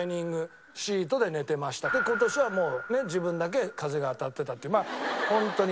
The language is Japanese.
今年はもうね自分だけ風が当たってたってまあホントに。